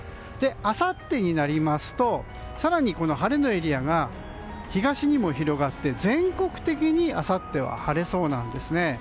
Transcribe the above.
あさってになりますと、更に晴れのエリアが東にも広がって全国的にあさっては晴れそうなんですね。